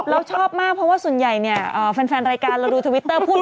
เราชอบมากเพราะว่าส่วนใหญ่เนี่ย